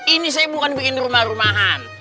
ini saya bukan bikin rumah rumahan